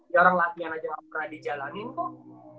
jarang latihan aja ga pernah dijalani kok